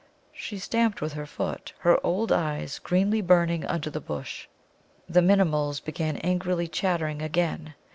She stamped with her foot, her old eyes greenly burning under the bush. The Minimuls began angrily chattering again.